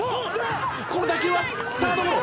「この打球はサードゴロ。